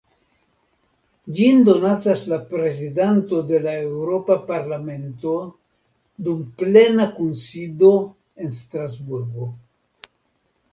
Ĝin donacas la Prezidanto de la Eŭropa Parlamento dum plena kunsido en Strasburgo.